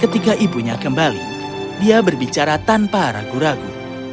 ketika ibunya kembali dia berbicara tanpa ragu ragu